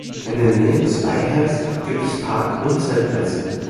In der Nähe des Weihers gibt es Park- und Zeltplätze.